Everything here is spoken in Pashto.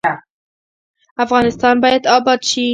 افغانستان باید اباد شي